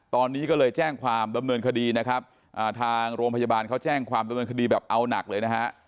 ตอนนี้ก็เลยแจ้งความดำเนินคดีนะครับทางโรงพยาบาลเขาแจ้งความดำเนินคดีแบบเอาหนักเลยนะฮะ